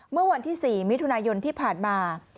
เมื่อวันที่๔มิถุนายนที่ผ่านมา